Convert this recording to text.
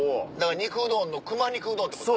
肉うどんの熊肉うどんってこと。